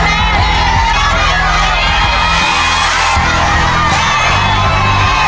สวัสดีครับ